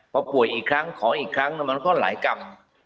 พอป่วยอีกครั้งขออีกครั้งมันก็หลายกรรม